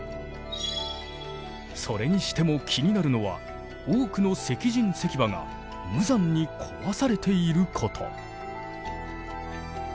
それにしても気になるのは多くの石人石馬が無残に壊されていること。